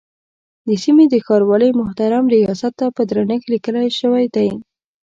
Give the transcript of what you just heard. د سیمې د ښاروالۍ محترم ریاست ته په درنښت لیکل شوی دی.